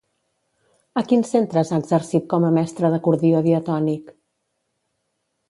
A quins centres ha exercit com a mestra d'acordió diatònic?